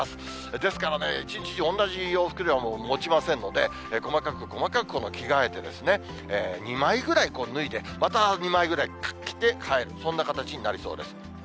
ですからね、一日中おんなじ洋服ではもちませんので、細かく細かく着替えて、２枚ぐらい脱いで、また２枚ぐらい着て帰る、そんな形になりそうです。